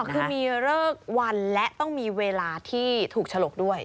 คือมีเลิกวันและต้องมีเวลาที่ถูกฉลกด้วย